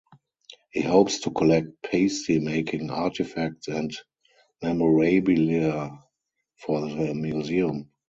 He hopes to collect pasty-making artifacts and memorabilia for the museum.